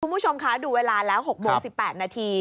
คุณผู้ชมคะดูเวลาแล้ว๖โมง๑๘นาที